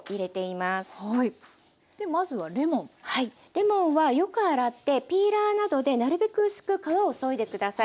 レモンはよく洗ってピーラーなどでなるべく薄く皮をそいで下さい。